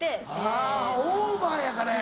あぁオーバーやからや。